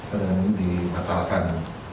karena ini dibatalkan